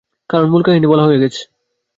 কারণ মূল কাহিনী বলা হয়ে গেছে।